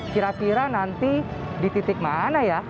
kira kira nanti di titik mana ya